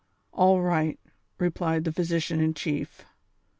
" All right," replied the physician in chief.